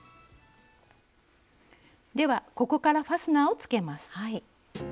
ではここからファスナーをつけます。